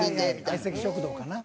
『相席食堂』かな？